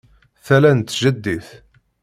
Tala n tjaddit